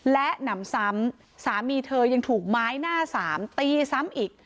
และหนำซ้ำสามีเธอยังถูกไม้หน้าสามตีซ้ำอีก